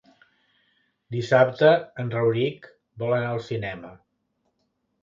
Dissabte en Rauric vol anar al cinema.